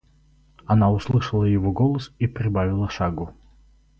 Она услышала его голос и прибавила шагу.